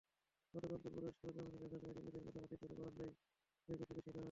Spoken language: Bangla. গতকাল দুপুরে সরেজমিনে দেখা যায়, রোগীদের গাদাগাদি করে বারান্দায় রেখে চিকিৎসা দেওয়া হচ্ছে।